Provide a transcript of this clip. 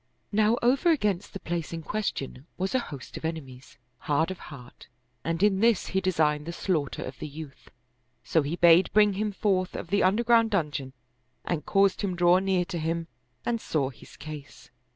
Now over against the place in question was a host of enemies, hard of heart, and in this he designed the slaughter of the youth : so he bade bring him forth of the underground dungeon and caused him draw near to him and saw his case.